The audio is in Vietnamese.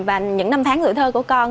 và những năm tháng rửa thơ của con